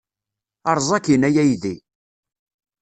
Erẓ akkin, a aydi!